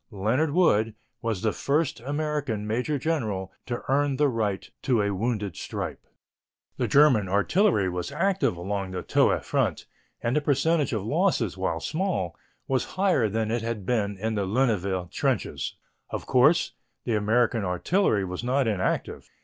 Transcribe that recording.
Leonard Wood was the first American major general to earn the right to a wounded stripe. The German artillery was active along the Toul front and the percentage of losses, while small, was higher than it had been in the Lunéville trenches. Of course, the American artillery was not inactive.